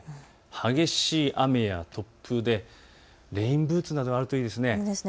激しい雨や突風でレインブーツなどあるといいですね。